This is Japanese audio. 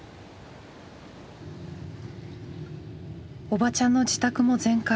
おばちゃんの自宅も全壊。